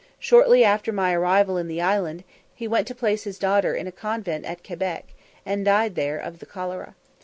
Shortly after my arrival in the island, he went to place his daughter in a convent at Quebec, and died there of the cholera.